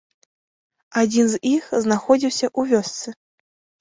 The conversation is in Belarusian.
Адзін з іх знаходзіўся ў вёсцы.